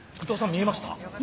見えました。